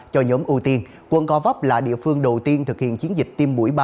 cho nhóm ưu tiên quân covap là địa phương đầu tiên thực hiện chiến dịch tiêm mũi ba